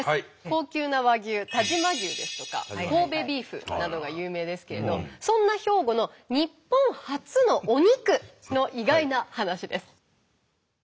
高級な和牛但馬牛ですとか神戸ビーフなどが有名ですけれどそんな兵庫の日本初のお肉の意外な話です。